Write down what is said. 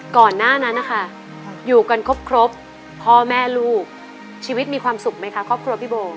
ก่อนหน้านั้นนะคะอยู่กันครบพ่อแม่ลูกชีวิตมีความสุขไหมคะครอบครัวพี่โบ